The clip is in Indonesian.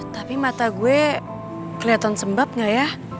tapi mata gue kelihatan sembab gak ya